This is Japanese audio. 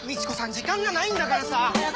時間がないんだからさ早く。